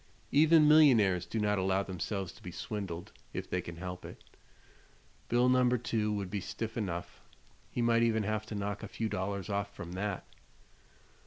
Even millionaires do not allow themselves to be swindled, if they can help it. Bill No. 2 would be stiff enough; he might even have to knock a few dollars off from that.